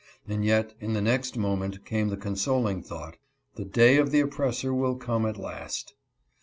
and yet in the next moment came the consoling thought, "the day of the oppressor will come at last."